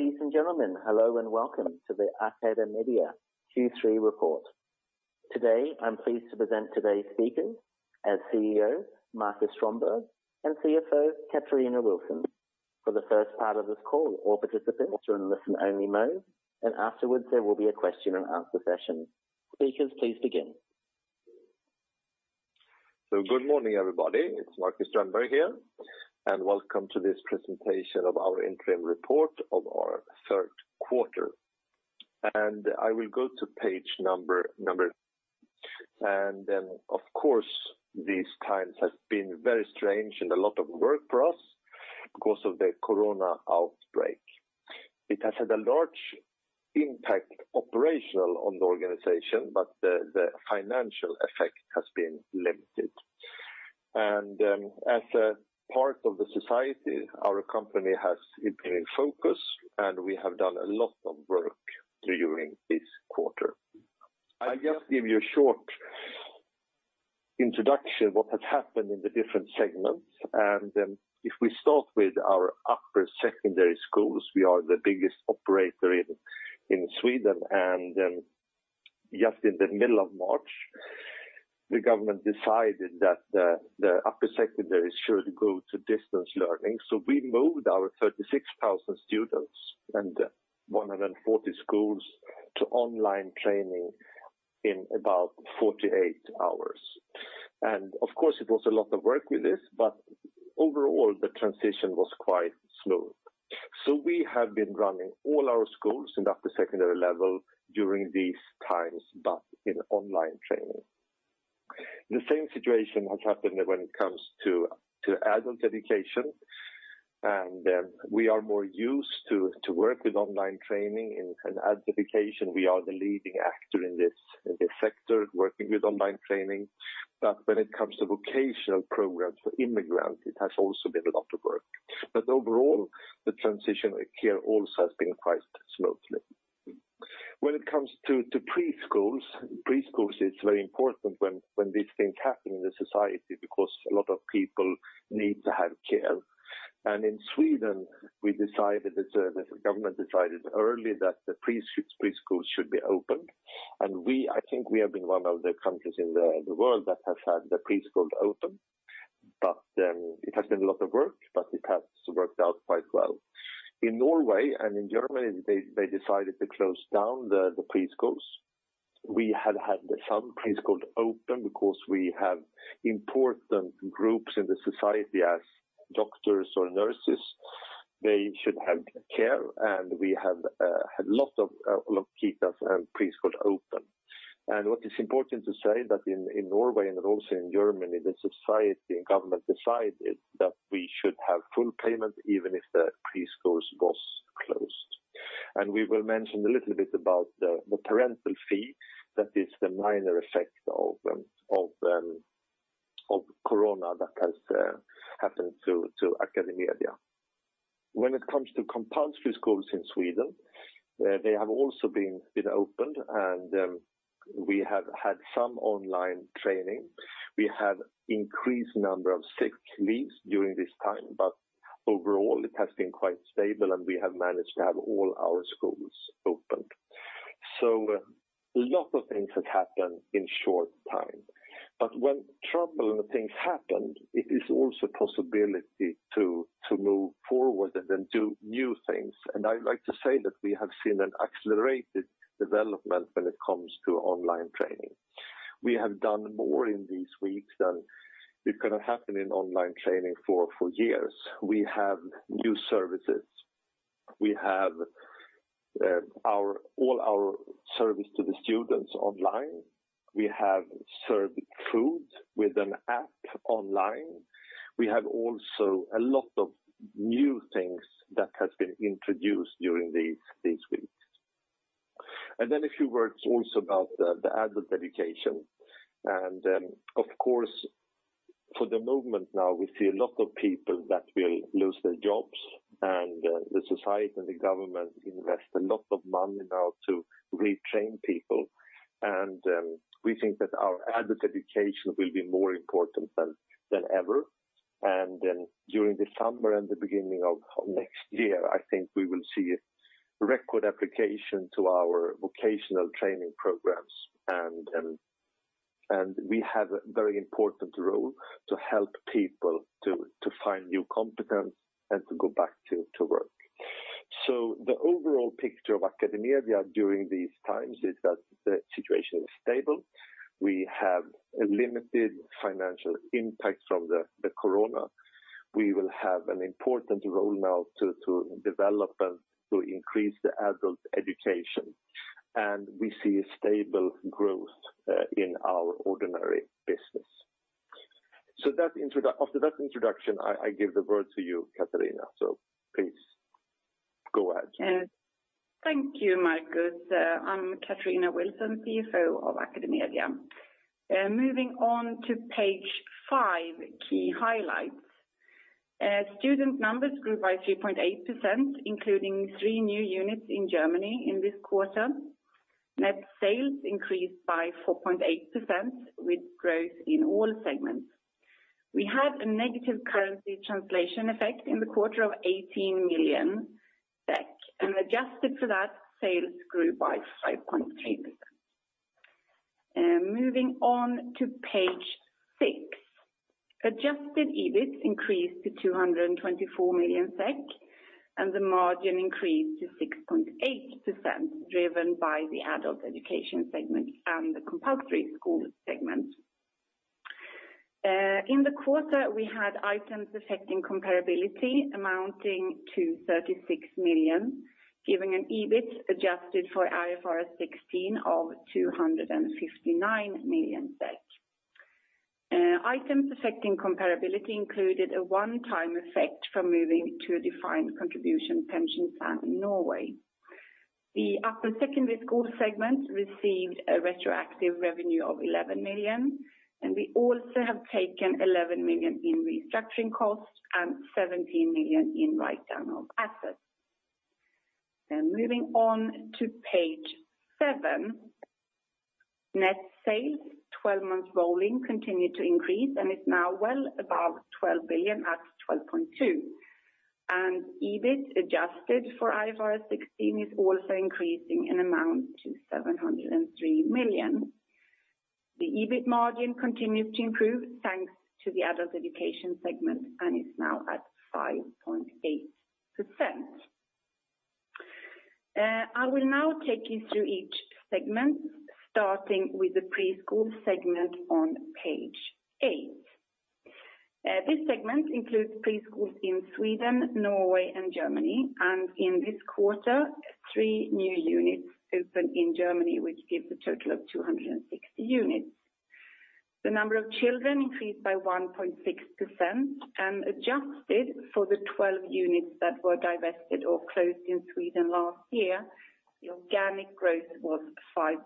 Ladies and gentlemen, hello and welcome to the AcadeMedia Q3 report. Today, I'm pleased to present today's speakers, as CEO, Marcus Strömberg, and CFO, Katarina Wilson. For the first part of this call, all participants are in listen-only mode. Afterwards, there will be a question and answer session. Speakers, please begin. Good morning, everybody. It's Marcus Strömberg here, and welcome to this presentation of our interim report of our third quarter. I will go to page number three. Of course, these times have been very strange and a lot of work for us because of the corona outbreak. It has had a large impact operational on the organization, but the financial effect has been limited. As a part of the society, our company has been in focus, and we have done a lot of work during this quarter. I'll just give you a short introduction, what has happened in the different segments. If we start with our upper secondary schools, we are the biggest operator in Sweden. Just in the middle of March, the government decided that the upper secondary should go to distance learning. We moved our 36,000 students and 140 schools to online training in about 48 hours. Of course, it was a lot of work with this, but overall, the transition was quite smooth. We have been running all our schools in the upper secondary level during these times, but in online training. The same situation has happened when it comes to adult education. We are more used to work with online training. In adult education, we are the leading actor in this sector, working with online training. When it comes to vocational programs for immigrants, it has also been a lot of work. Overall, the transition here also has been quite smoothly. When it comes to preschools is very important when these things happen in the society because a lot of people need to have care. In Sweden, the government decided early that the preschools should be open. I think we have been one of the countries in the world that has had the preschool open. It has been a lot of work, but it has worked out quite well. In Norway and in Germany, they decided to close down the preschools. We have had some preschools open because we have important groups in the society as doctors or nurses. They should have care, and we have had lots of preschools open. What is important to say that in Norway and also in Germany, the society and government decided that we should have full payment even if the preschools was closed. We will mention a little bit about the parental fee. That is the minor effect of corona that has happened to AcadeMedia. When it comes to compulsory schools in Sweden, they have also been opened, and we have had some online training. We have increased number of sick leaves during this time, but overall, it has been quite stable, and we have managed to have all our schools opened. A lot of things have happened in short time. When troubling things happen, it is also possibility to move forward and do new things. I'd like to say that we have seen an accelerated development when it comes to online training. We have done more in these weeks than it could have happened in online training for years. We have new services. We have all our service to the students online. We have served food with an app online. We have a lot of new things that has been introduced during these weeks. A few words also about the adult education. Of course, for the moment now, we see a lot of people that will lose their jobs, and the society and the government invest a lot of money now to retrain people. We think that our adult education will be more important than ever. During the summer and the beginning of next year, I think we will see record application to our vocational training programs. We have a very important role to help people to find new competence and to go back to work. The overall picture of AcadeMedia during these times is that the situation is stable. We have a limited financial impact from the corona. We will have an important role now to develop and to increase the adult education. We see a stable growth in our ordinary business. After that introduction, I give the word to you, Katarina. Please go ahead. Thank you, Marcus. I'm Katarina Wilson, CFO of AcadeMedia. Moving on to page five, key highlights. Student numbers grew by 3.8%, including three new units in Germany in this quarter. Net sales increased by 4.8% with growth in all segments. We had a negative currency translation effect in the quarter of 18 million, and adjusted for that, sales grew by 5.3%. Moving on to page six. Adjusted EBIT increased to 224 million SEK, and the margin increased to 6.8%, driven by the adult education segment and the compulsory school segment. In the quarter, we had items affecting comparability amounting to 36 million, giving an EBIT adjusted for IFRS 16 of 259 million. Items affecting comparability included a one-time effect from moving to a defined contribution pension plan in Norway. The upper secondary school segment received a retroactive revenue of 11 million, and we also have taken 11 million in restructuring costs and 17 million in write-down of assets. Moving on to page seven. Net sales 12 months rolling continued to increase and is now well above 12 billion at 12.2 billion. EBIT adjusted for IFRS 16 is also increasing in amount to 703 million. The EBIT margin continues to improve thanks to the adult education segment and is now at 5.8%. I will now take you through each segment, starting with the preschool segment on page eight. This segment includes preschools in Sweden, Norway, and Germany, and in this quarter, three new units opened in Germany, which gives a total of 260 units. The number of children increased by 1.6%, and adjusted for the 12 units that were divested or closed in Sweden last year, the organic growth was 5.6%.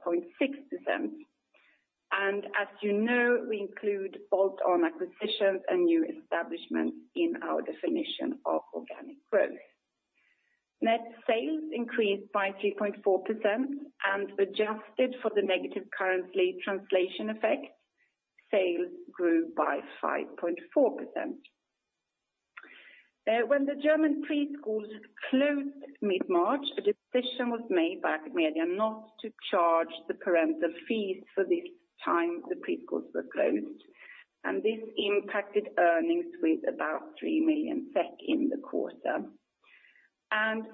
As you know, we include bolt-on acquisitions and new establishments in our definition of organic growth. Net sales increased by 3.4%, and adjusted for the negative currency translation effect, sales grew by 5.4%. When the German preschools closed mid-March, a decision was made by AcadeMedia not to charge the parental fees for this time the preschools were closed, and this impacted earnings with about 3 million SEK in the quarter.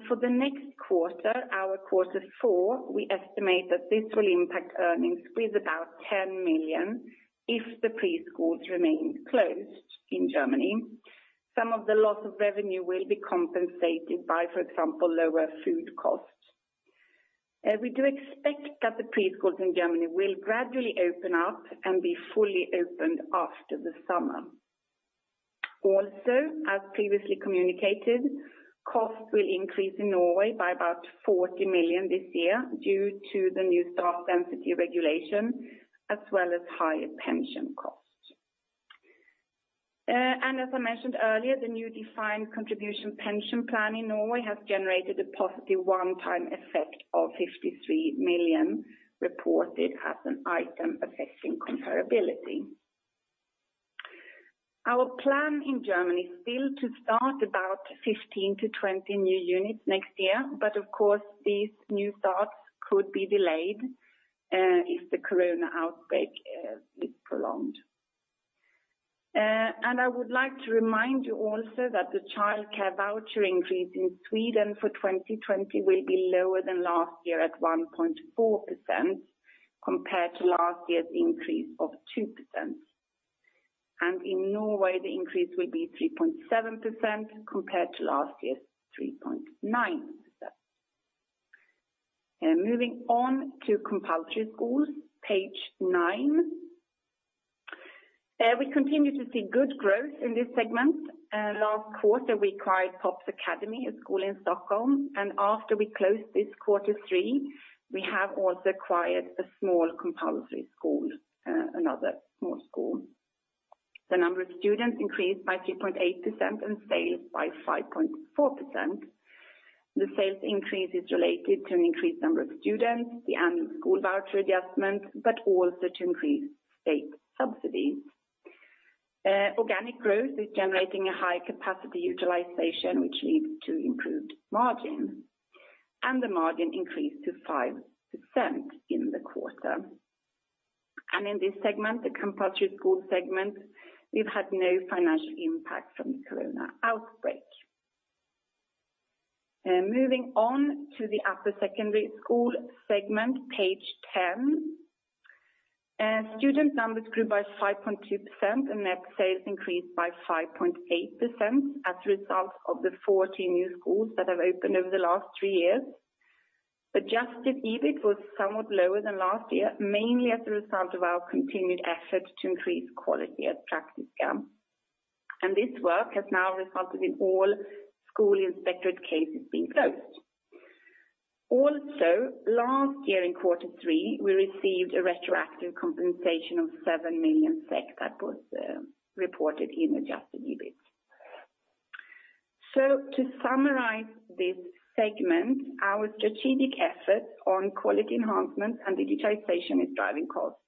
For the next quarter, our quarter four, we estimate that this will impact earnings with about 10 million if the preschools remain closed in Germany. Some of the loss of revenue will be compensated by, for example, lower food costs. We do expect that the preschools in Germany will gradually open up and be fully opened after the summer. Also, as previously communicated, costs will increase in Norway by about 40 million this year due to the new staff density regulation as well as higher pension costs. As I mentioned earlier, the new defined contribution pension plan in Norway has generated a positive one-time effect of 53 million, reported as an item affecting comparability. Our plan in Germany is still to start about 15 to 20 new units next year, but of course, these new starts could be delayed if the corona outbreak is prolonged. I would like to remind you also that the childcare voucher increase in Sweden for 2020 will be lower than last year at 1.4%, compared to last year's increase of 2%. In Norway, the increase will be 3.7%, compared to last year's 3.9%. Moving on to compulsory schools, page nine. We continue to see good growth in this segment. Last quarter, we acquired Pops Academy, a school in Stockholm, and after we closed this quarter three, we have also acquired a small compulsory school, another small school. The number of students increased by 3.8% and sales by 5.4%. The sales increase is related to an increased number of students, the annual school voucher adjustment, but also to increased state subsidies. Organic growth is generating a high capacity utilization, which leads to improved margin, and the margin increased to 5% in the quarter. In this segment, the compulsory school segment, we've had no financial impact from the corona outbreak. Moving on to the upper secondary school segment, page 10. Student numbers grew by 5.2%, net sales increased by 5.8% as a result of the 14 new schools that have opened over the last three years. Adjusted EBIT was somewhat lower than last year, mainly as a result of our continued effort to increase quality at Praktiska. This work has now resulted in all school inspectorate cases being closed. Last year in quarter three, we received a retroactive compensation of 7 million SEK that was reported in adjusted EBIT. To summarize this segment, our strategic efforts on quality enhancement and digitization is driving costs.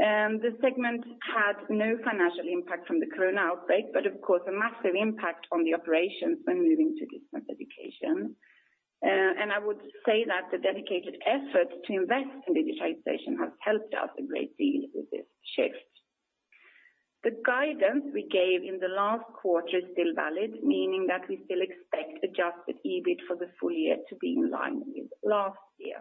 The segment had no financial impact from the corona outbreak, but of course, a massive impact on the operations when moving to distance education. I would say that the dedicated efforts to invest in digitization has helped us a great deal with this shift. The guidance we gave in the last quarter is still valid, meaning that we still expect adjusted EBIT for the full year to be in line with last year.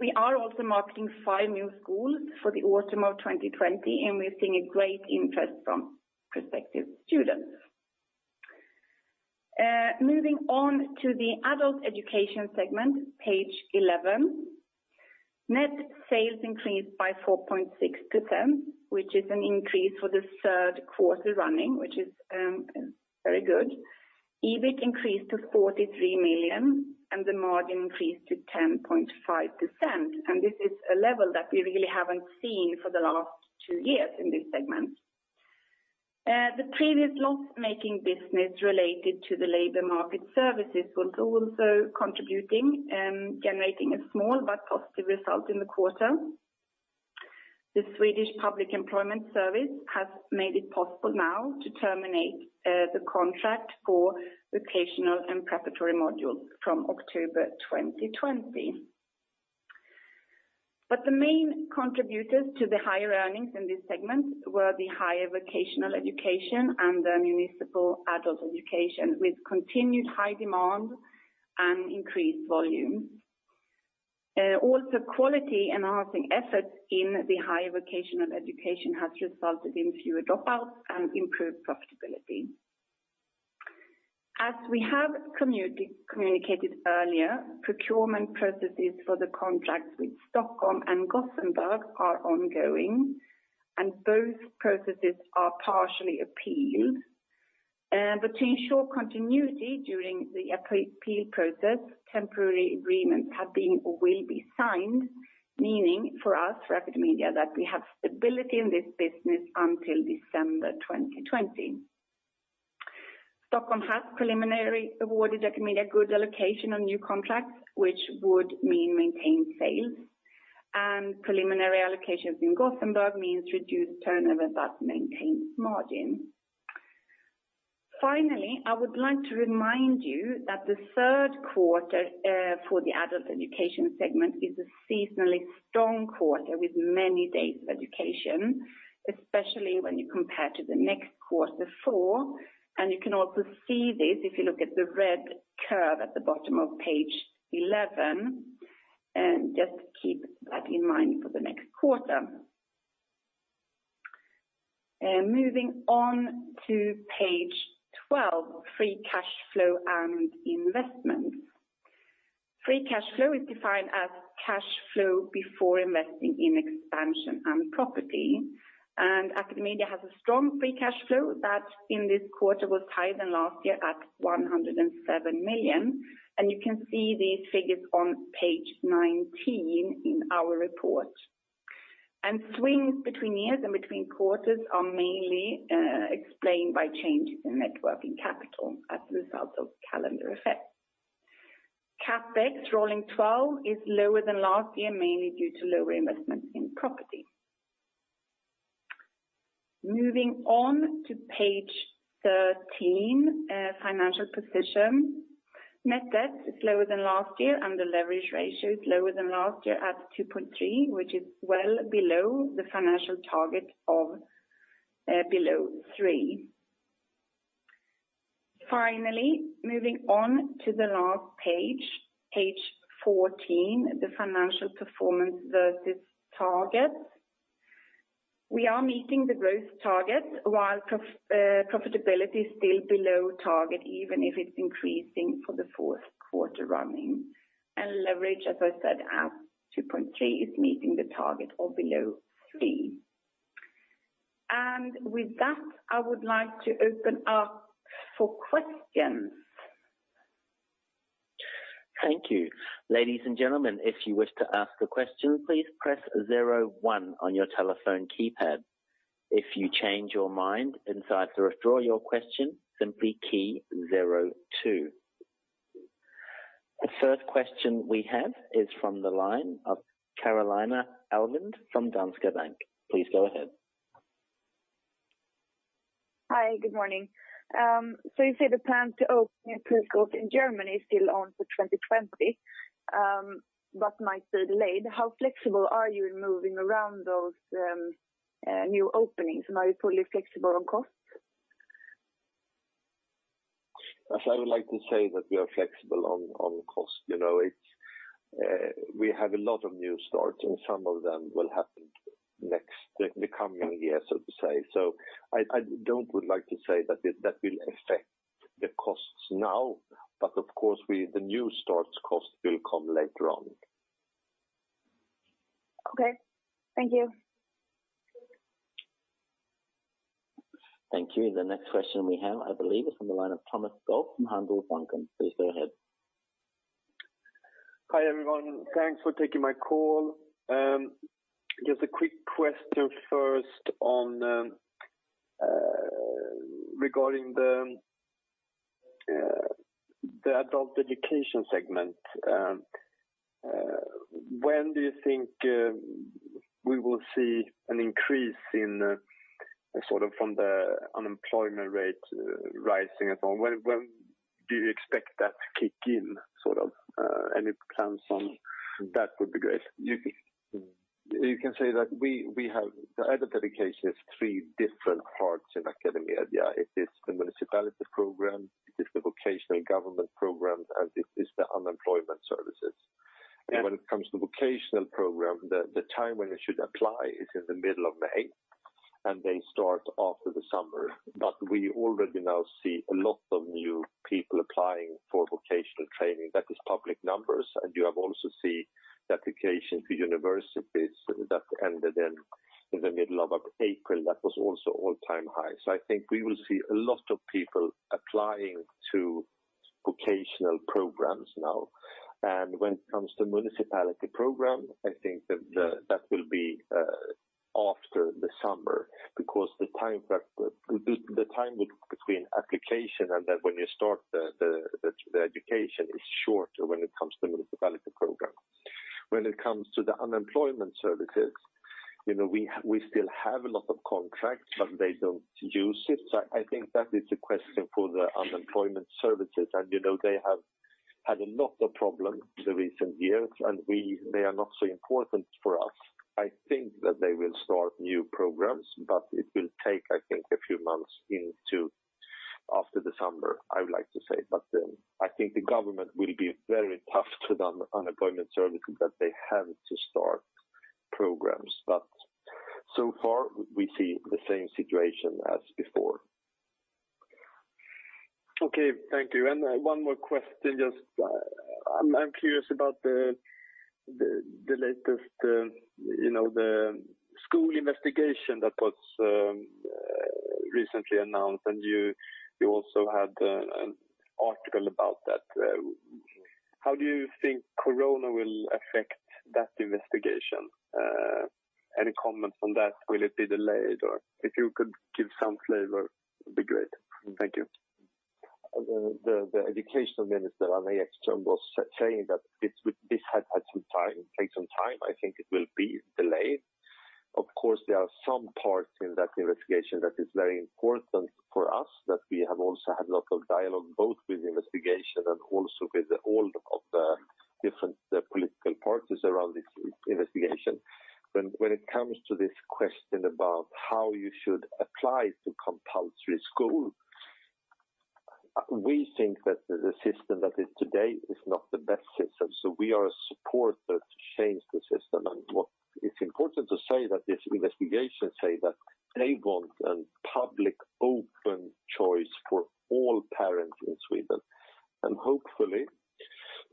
We are also marketing five new schools for the autumn of 2020, we're seeing a great interest from prospective students. Moving on to the adult education segment, page 11. Net sales increased by 4.6%, which is an increase for the third quarter running, which is very good. EBIT increased to 43 million, the margin increased to 10.5%, this is a level that we really haven't seen for the last two years in this segment. The previous loss-making business related to the labor market services was also contributing, generating a small but positive result in the quarter. The Swedish Public Employment Service has made it possible now to terminate the contract for vocational and preparatory modules from October 2020. The main contributors to the higher earnings in this segment were the higher vocational education and the municipal adult education, with continued high demand and increased volume. Quality enhancing efforts in the higher vocational education has resulted in fewer dropouts and improved profitability. As we have communicated earlier, procurement processes for the contracts with Stockholm and Gothenburg are ongoing, both processes are partially appealed. To ensure continuity during the appeal process, temporary agreements have been or will be signed, meaning for us, for AcadeMedia, that we have stability in this business until December 2020. Stockholm has preliminarily awarded AcadeMedia good allocation on new contracts, which would mean maintained sales. Preliminary allocations in Gothenburg means reduced turnover but maintained margin. Finally, I would like to remind you that the third quarter for the adult education segment is a seasonally strong quarter with many days of education, especially when you compare to the next quarter four. You can also see this if you look at the red curve at the bottom of page 11. Just keep that in mind for the next quarter. Moving on to page 12, free cash flow and investments. Free cash flow is defined as cash flow before investing in expansion and property. AcadeMedia has a strong free cash flow that in this quarter was higher than last year at 107 million, you can see these figures on page 19 in our report. Swings between years and between quarters are mainly explained by changes in net working capital as a result of calendar effects. CapEx rolling 12 is lower than last year, mainly due to lower investments in property. Moving on to page 13, financial position. Net debt is lower than last year, and the leverage ratio is lower than last year at 2.3, which is well below the financial target of below three. Finally, moving on to the last page 14, the financial performance versus targets. We are meeting the growth targets while profitability is still below target, even if it's increasing for the fourth quarter running. Leverage, as I said, at 2.3, is meeting the target of below three. With that, I would like to open up for questions. Thank you. Ladies and gentlemen, if you wish to ask a question, please press 01 on your telephone keypad. If you change your mind and decide to withdraw your question, simply key 02. The first question we have is from the line of Carolina Alm from Danske Bank. Please go ahead. Hi. Good morning. You say the plan to open your preschools in Germany is still on for 2020, but might be delayed. How flexible are you in moving around those new openings? Are you fully flexible on costs? As I would like to say that we are flexible on cost. We have a lot of new starts, some of them will happen in the coming year, so to say. I don't would like to say that will affect the costs now, of course, the new starts cost will come later on. Okay. Thank you. Thank you. The next question we have, I believe, is from the line of Thomas Gole from Handelsbanken. Please go ahead Hi, everyone. Thanks for taking my call. Just a quick question first regarding the adult education segment. When do you think we will see an increase from the unemployment rate rising and so on? When do you expect that to kick in? Any plans on that would be great. You can say that the adult education is three different parts in AcadeMedia. It is the municipality program, it is the vocational government program, and it is the unemployment services. When it comes to the vocational program, the time when you should apply is in the middle of May, and they start after the summer. We already now see a lot of new people applying for vocational training. That is public numbers. You have also seen the application to universities that ended in the middle of April. That was also all-time high. I think we will see a lot of people applying to vocational programs now. When it comes to municipality program, I think that will be after the summer, because the time between application and when you start the education is shorter when it comes to municipality program. When it comes to the Unemployment Services, we still have a lot of contracts, but they don't use it. I think that is a question for the Unemployment Services. They have had a lot of problems in the recent years, and they are not so important for us. I think that they will start new programs, but it will take, I think, a few months into after the summer, I would like to say. I think the government will be very tough to the Unemployment Services that they have to start programs. So far we see the same situation as before. Okay, thank you. One more question, just I'm curious about the latest school investigation that was recently announced, and you also had an article about that. How do you think corona will affect that investigation? Any comment on that? Will it be delayed? If you could give some flavor, it would be great. Thank you. The Education Minister, Anna Ekström, was saying that this will take some time. I think it will be delayed. Of course, there are some parts in that investigation that is very important for us, that we have also had a lot of dialogue, both with the investigation and also with all of the different political parties around this investigation. When it comes to this question about how you should apply to compulsory school, we think that the system that is today is not the best system. We are a supporter to change the system. It is important to say that this investigation say that they want a public open choice for all parents in Sweden. Hopefully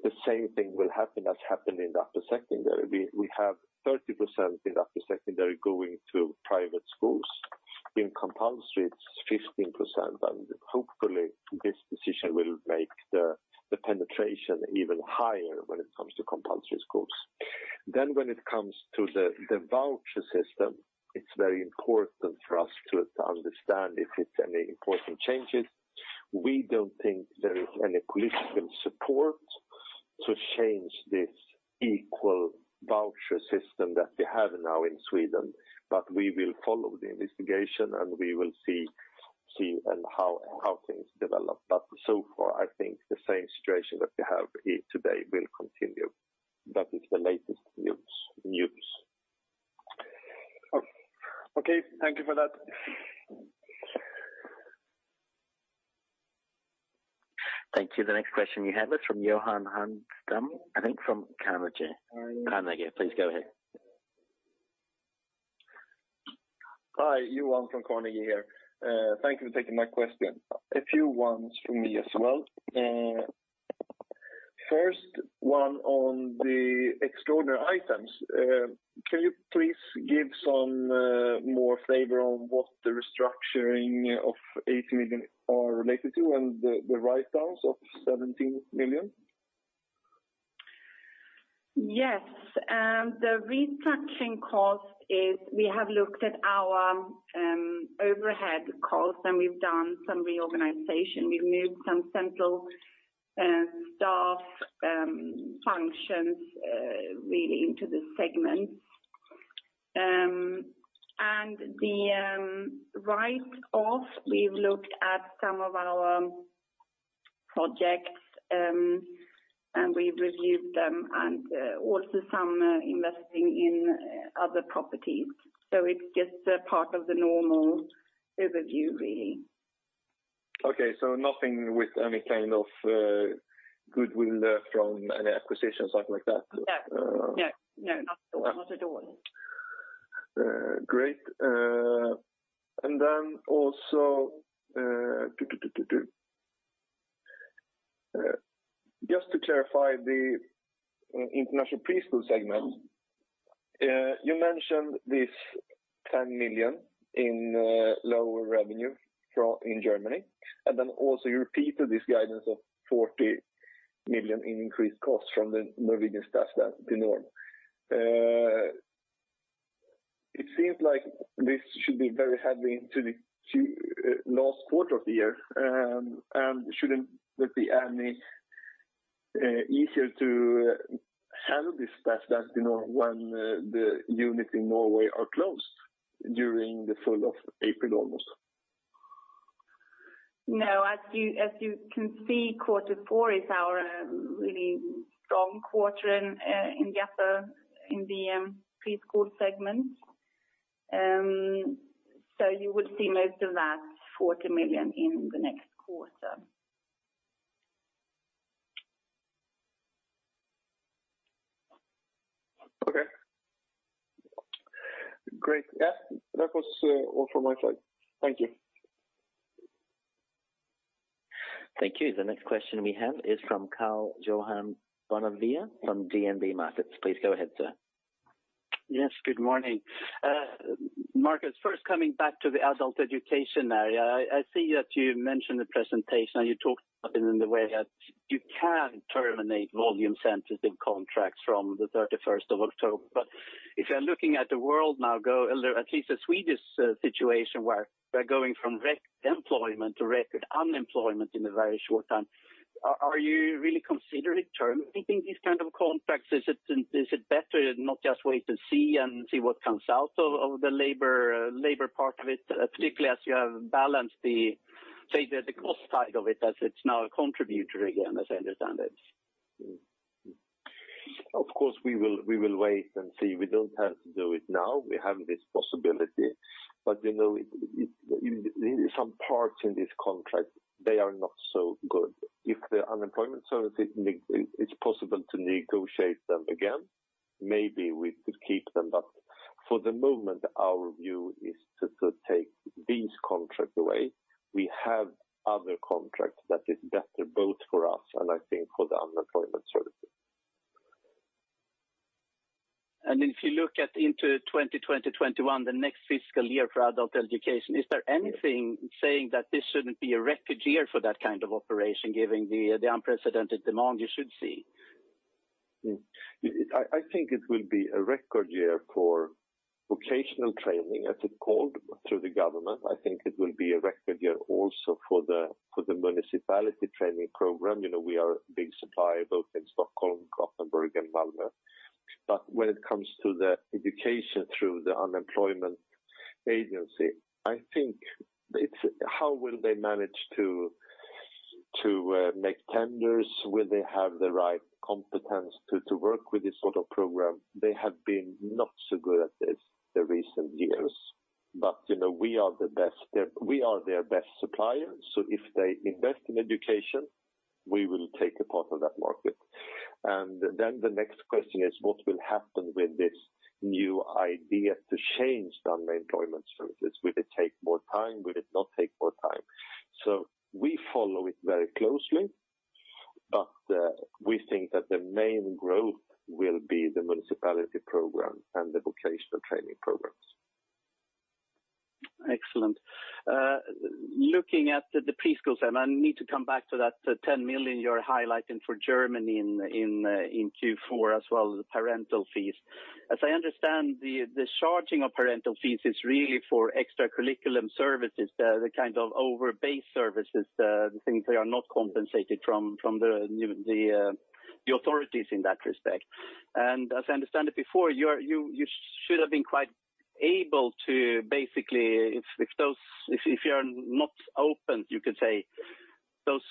the same thing will happen that happened in the upper secondary. We have 30% in upper secondary going to private schools. In compulsory, it is 15%, hopefully this decision will make the penetration even higher when it comes to compulsory schools. When it comes to the voucher system, it is very important for us to understand if it is any important changes. We don't think there is any political support to change this equal voucher system that we have now in Sweden. We will follow the investigation, and we will see how things develop. So far, I think the same situation that we have here today will continue. That is the latest news. Okay. Thank you for that. Thank you. The next question you have is from Johan Hansten, I think from Carnegie. Carnegie, please go ahead. Hi, Johan from Carnegie here. Thank you for taking my question. A few ones from me as well. First one on the extraordinary items. Can you please give some more flavor on what the restructuring of 80 million are related to and the write-downs of 17 million? Yes. The restructuring cost is we have looked at our overhead costs, and we've done some reorganization. We've moved some central staff functions really into the segments. The write-off, we've looked at some of our projects, and we've reviewed them and also some investing in other properties. It's just a part of the normal overview, really. Okay. Nothing with any kind of goodwill from any acquisitions, something like that? No. Not at all. Great. Then also, just to clarify the international preschool segment You mentioned this 10 million in lower revenue in Germany, also you repeated this guidance of 40 million in increased costs from the Norwegian staff density regulation. It seems like this should be very heavily into the last quarter of the year, shouldn't it be any easier to handle this staff that when the unit in Norway are closed during the full of April almost? No, as you can see, quarter four is our really strong quarter in the preschool segment. You would see most of that 40 million in the next quarter. Okay. Great. Yes, that was all from my side. Thank you. Thank you. The next question we have is from Karl-Johan Bonnevier, Analyst, DNB Markets. Please go ahead, sir. Yes, good morning. Marcus, first coming back to the adult education area. I see that you mentioned the presentation, and you talked in the way that you can terminate volume-sensitive contracts from the 31st of October. But if you're looking at the world now, at least the Swedish situation where we're going from record employment to record unemployment in a very short time, are you really considering terminating these kind of contracts? Is it better to not just wait and see what comes out of the labor part of it, particularly as you have balanced the cost side of it as it's now a contributor again, as I understand it? Of course we will wait and see. We do not have to do it now. We have this possibility. Some parts in this contract, they are not so good. If the unemployment service, it is possible to negotiate them again, maybe we could keep them. For the moment, our view is to take these contracts away. We have other contracts that is better both for us and I think for the unemployment services. If you look at into 2020, 2021, the next fiscal year for adult education, is there anything saying that this should not be a record year for that kind of operation, given the unprecedented demand you should see? I think it will be a record year for vocational training, as it is called through the government. I think it will be a record year also for the municipality training program. We are a big supplier both in Stockholm, Gothenburg, and Malmö. When it comes to the education through the unemployment agency, I think it is how will they manage to make tenders? Will they have the right competence to work with this sort of program? They have been not so good at this the recent years. We are their best supplier, so if they invest in education, we will take a part of that market. The next question is what will happen with this new idea to change the unemployment services? Will it take more time? Will it not take more time? We follow it very closely, but we think that the main growth will be the municipality program and the vocational training programs. Excellent. Looking at the preschool segment, I need to come back to that 10 million you're highlighting for Germany in Q4, as well as the parental fees. As I understand, the charging of parental fees is really for extracurricular services, the kind of over base services, the things they are not compensated from the authorities in that respect. As I understand it before, you should have been quite able to basically, if you're not open, you could say,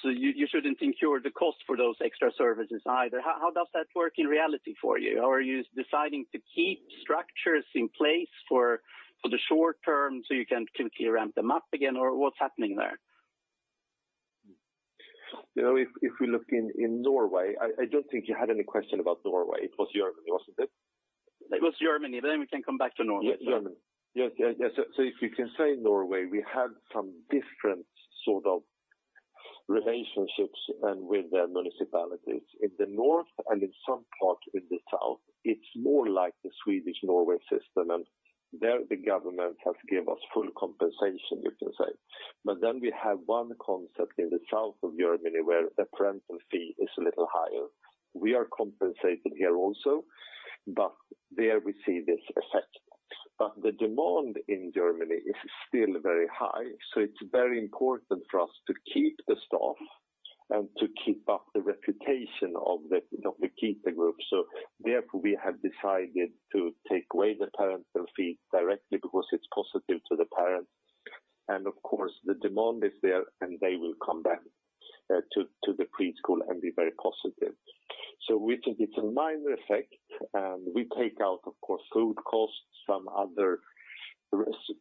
you shouldn't incur the cost for those extra services either. How does that work in reality for you? Are you deciding to keep structures in place for the short term so you can quickly ramp them up again, or what's happening there? If we look in Norway, I don't think you had any question about Norway. It was Germany, wasn't it? It was Germany. We can come back to Norway. Yes. Germany. Yes. If we can say Norway, we have some different sort of relationships and with the municipalities. In the north and in some parts in the south, it's more like the Swedish Norway system, and there the government has give us full compensation, you can say. We have one concept in the south of Germany, where the parental fee is a little higher. We are compensated here also, but there we see this effect. The demand in Germany is still very high, so it's very important for us to keep the staff and to keep up the reputation of the Kita group. Therefore, we have decided to take away the parental fee directly because it's positive to the parents. Of course, the demand is there, and they will come back to the preschool and be very positive. We think it's a minor effect, and we take out, of course, food costs, some other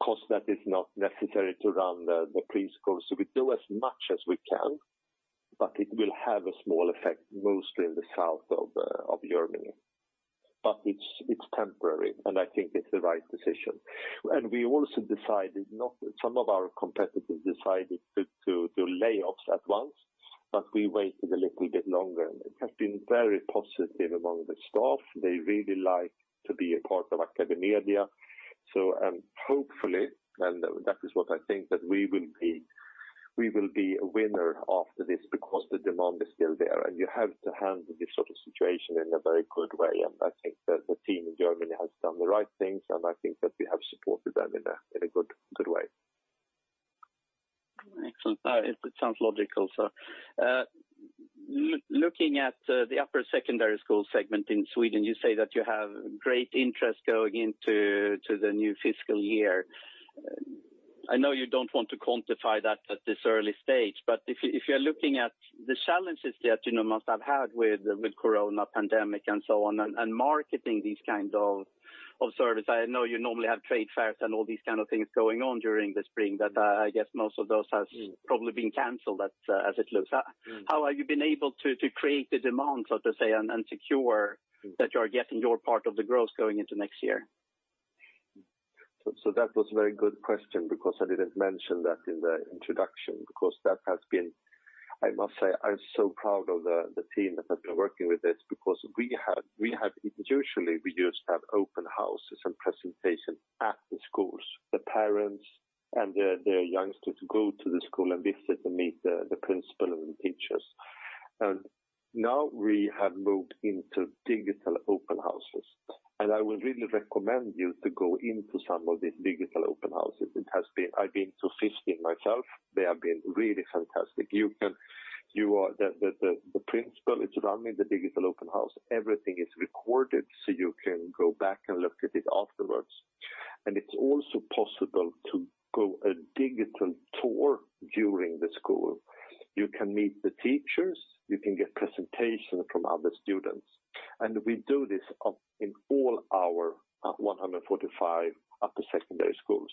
cost that is not necessary to run the preschool. We do as much as we can, but it will have a small effect, mostly in the south of Germany. It's temporary, and I think it's the right decision. We also decided Some of our competitors decided to do layoffs at once. We waited a little bit longer. It has been very positive among the staff. They really like to be a part of AcadeMedia. Hopefully, and that is what I think, that we will be a winner after this because the demand is still there, and you have to handle this sort of situation in a very good way. I think that the team in Germany has done the right things, and I think that we have supported them in a good way. Excellent. It sounds logical, sir. Looking at the upper secondary school segment in Sweden, you say that you have great interest going into the new fiscal year. I know you don't want to quantify that at this early stage, but if you're looking at the challenges that you must have had with the COVID pandemic and so on, and marketing these kinds of service. I know you normally have trade fairs and all these kind of things going on during the spring, but I guess most of those have probably been canceled as it looks. How have you been able to create the demand, so to say, and secure that you are getting your part of the growth going into next year? That was a very good question because I didn't mention that in the introduction. I must say, I'm so proud of the team that has been working with this because usually we just have open houses and presentations at the schools. The parents and their youngsters go to the school and visit to meet the principal and the teachers. Now we have moved into digital open houses, and I will really recommend you to go into some of these digital open houses. I've been to 15 myself. They have been really fantastic. The principal is running the digital open house. Everything is recorded, so you can go back and look at it afterwards. It's also possible to go a digital tour during the school. You can meet the teachers, you can get presentations from other students. We do this in all our 145 upper secondary schools.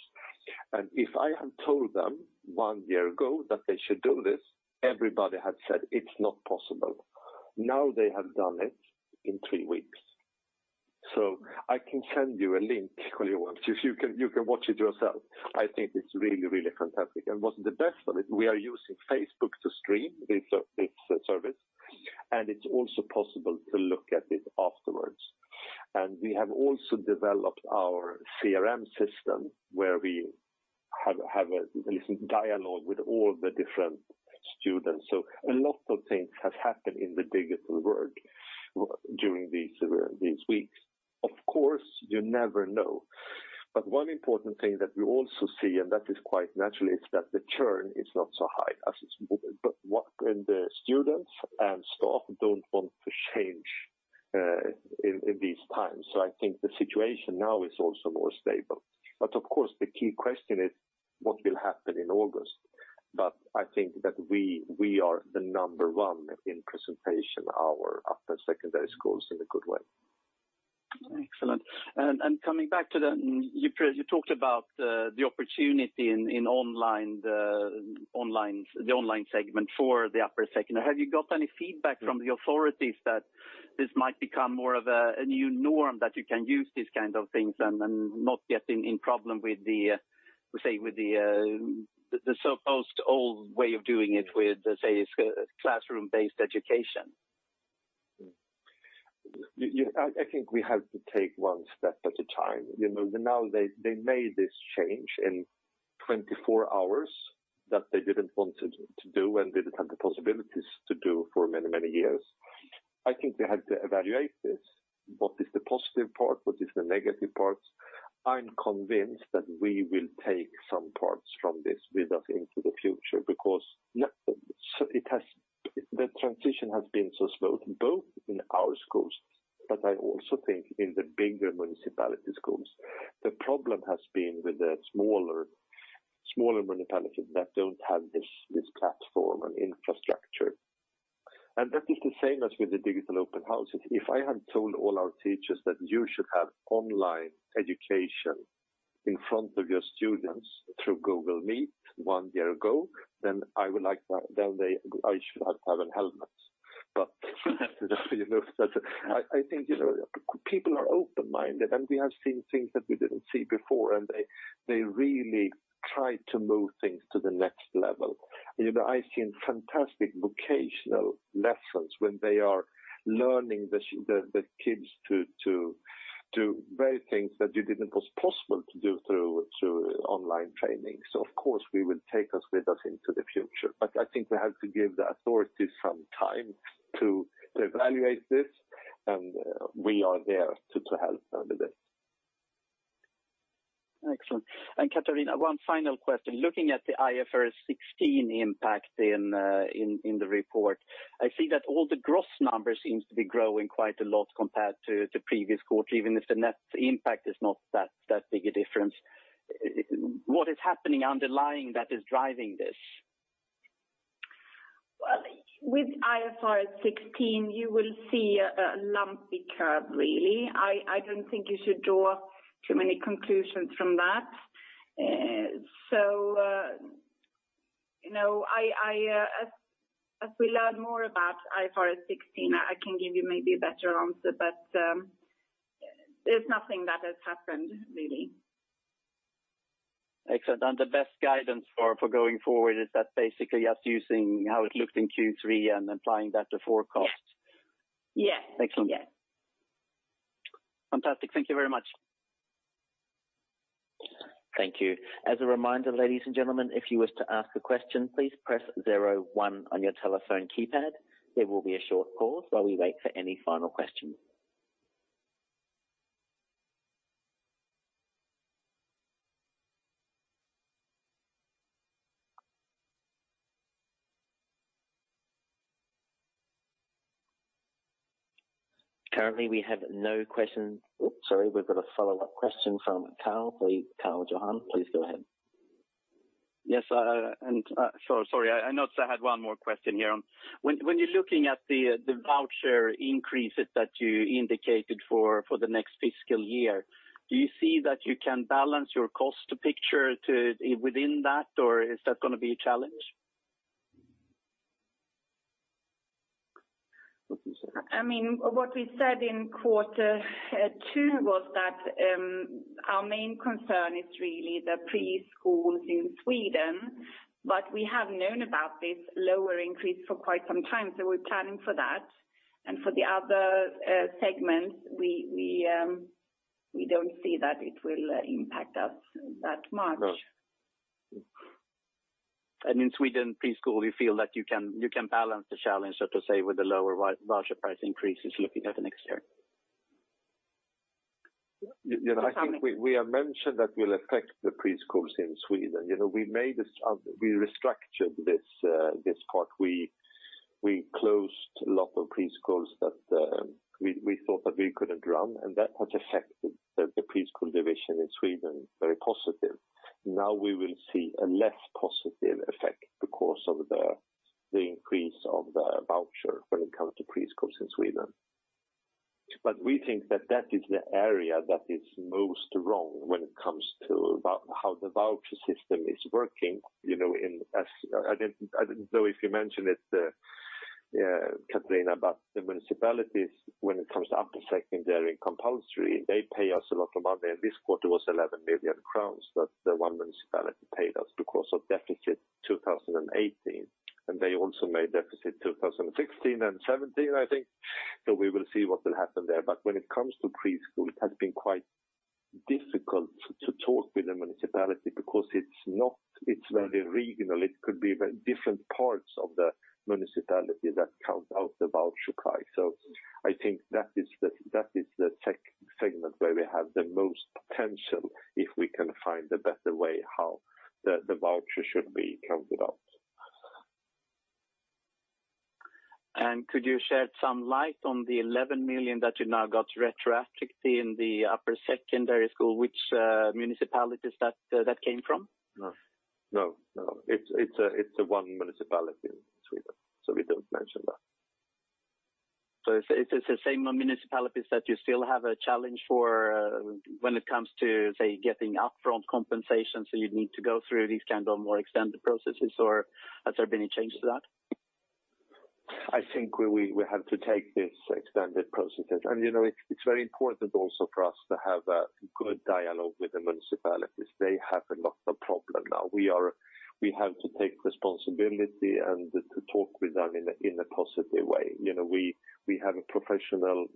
If I had told them one year ago that they should do this, everybody had said it's not possible. Now they have done it in three weeks. I can send you a link if you want. You can watch it yourself. I think it's really, really fantastic. What's the best of it, we are using Facebook to stream this service, and it's also possible to look at it afterwards. We have also developed our CRM system where we have a little dialogue with all the different students. A lot of things have happened in the digital world during these weeks. Of course, you never know. One important thing that we also see, and that is quite naturally, is that the churn is not so high as it's moving. What when the students and staff don't want to change in these times. I think the situation now is also more stable. Of course, the key question is what will happen in August. I think that we are the number 1 in presentation of our upper secondary schools in a good way. Excellent. Coming back to the, you talked about the opportunity in the online segment for the upper secondary. Have you got any feedback from the authorities that this might become more of a new norm, that you can use these kind of things and not get in problem with the supposed old way of doing it with, say, classroom-based education? I think we have to take one step at a time. Now they made this change in 24 hours that they didn't want to do and didn't have the possibilities to do for many, many years. I think they had to evaluate this. What is the positive part? What is the negative parts? I'm convinced that we will take some parts from this with us into the future because the transition has been so smooth, both in our schools, but I also think in the bigger municipality schools. The problem has been with the smaller municipalities that don't have this platform and infrastructure. That is the same as with the digital open houses. If I had told all our teachers that you should have online education in front of your students through Google Meet one year ago, then I should have had a helmet. I think people are open-minded, and we have seen things that we didn't see before, and they really try to move things to the next level. I've seen fantastic vocational lessons when they are learning the kids to very things that wasn't possible to do through online training. Of course, we will take us with us into the future. I think we have to give the authorities some time to evaluate this, and we are there to help them with it. Excellent. Katarina, one final question. Looking at the IFRS 16 impact in the report, I see that all the gross numbers seems to be growing quite a lot compared to the previous quarter, even if the net impact is not that big a difference. What is happening underlying that is driving this? Well, with IFRS 16, you will see a lumpy curve, really. I don't think you should draw too many conclusions from that. As we learn more about IFRS 16, I can give you maybe a better answer. There's nothing that has happened. Excellent. The best guidance for going forward is that basically just using how it looked in Q3 and applying that to forecast? Yes. Excellent. Yes. Fantastic. Thank you very much. Thank you. As a reminder, ladies and gentlemen, if you wish to ask a question, please press 01 on your telephone keypad. There will be a short pause while we wait for any final questions. Currently, we have no questions. Oops, sorry. We've got a follow-up question from Karl. Karl-Johan, please go ahead. Yes, sorry. I noticed I had one more question here. When you're looking at the voucher increases that you indicated for the next fiscal year, do you see that you can balance your cost picture within that, or is that going to be a challenge? What we said in quarter two was that our main concern is really the preschools in Sweden, but we have known about this lower increase for quite some time, so we're planning for that. For the other segments, we don't see that it will impact us that much. In Sweden preschool, you feel that you can balance the challenge, so to say, with the lower voucher price increases looking at the next year? I think we have mentioned that will affect the preschools in Sweden. We restructured this part. We closed a lot of preschools that we thought that we couldn't run, and that has affected the preschool division in Sweden very positive. We will see a less positive effect because of the increase of the voucher when it comes to preschools in Sweden. We think that that is the area that is most wrong when it comes to how the voucher system is working. I don't know if you mentioned it, Katarina, about the municipalities when it comes to upper secondary compulsory, they pay us a lot of money. This quarter was 11 million crowns that the one municipality paid us because of deficit 2018. They also made deficit 2016 and 2017, I think. We will see what will happen there. When it comes to preschool, it has been quite difficult to talk with the municipality because it's very regional. It could be very different parts of the municipality that count out the voucher price. I think that is the segment where we have the most potential if we can find a better way how the voucher should be counted out. Could you shed some light on the 11 million that you now got retroactively in the upper secondary school, which municipalities that came from? No. It's one municipality in Sweden, we don't mention that. It's the same municipalities that you still have a challenge for when it comes to, say, getting upfront compensation, you'd need to go through these kind of more extended processes, or has there been a change to that? I think we have to take these extended processes. It's very important also for us to have a good dialogue with the municipalities. They have a lot of problem now. We have to take responsibility and to talk with them in a positive way. We have a professional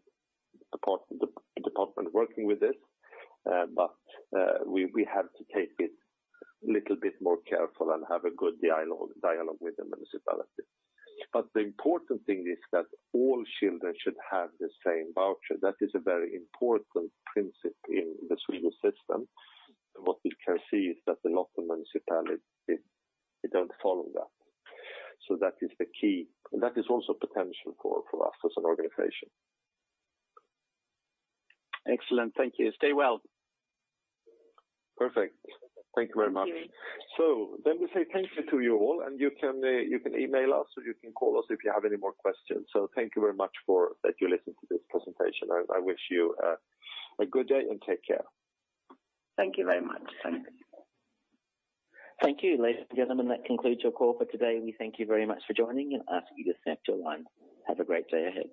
department working with this, we have to take it little bit more careful and have a good dialogue with the municipalities. The important thing is that all children should have the same voucher. That is a very important principle in the Swedish system. What we can see is that a lot of municipalities, they don't follow that. That is the key, and that is also potential for us as an organization. Excellent. Thank you. Stay well. Perfect. Thank you very much. Thank you. Let me say thank you to you all, and you can email us or you can call us if you have any more questions. Thank you very much that you listened to this presentation, and I wish you a good day and take care. Thank you very much. Thank you, ladies and gentlemen. That concludes your call for today. We thank you very much for joining and ask you to stay to the line. Have a great day ahead.